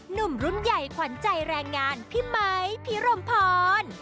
หนุ่มรุ่นใหญ่ขวัญใจแรงงานพี่ไมค์พี่รมพร